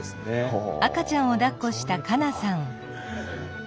ああ。